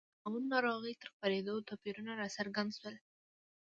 د طاعون ناروغۍ تر خپرېدو توپیرونه راڅرګند شول.